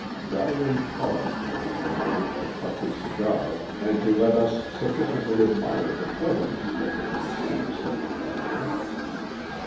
Darwin paused in his narrative to puff his cigar and to let us sufficiently admire the cleverness that had conceived such a plan.